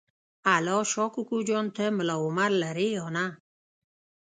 الله شا کوکو جان ته ملا عمر لرې یا نه؟